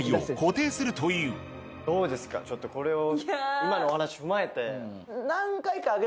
ちょっとこれを今のお話踏まえて。